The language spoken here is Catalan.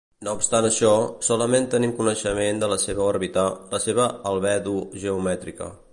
No obstant això, solament tenim coneixement de la seva òrbita, la seva albedo geomètrica.